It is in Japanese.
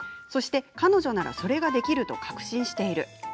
そして、彼女ならそれができると確信している。